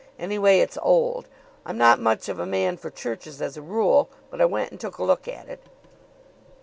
Anyway, it's old. I'm not much of a man for churches as a rule, but I went and took a look at it.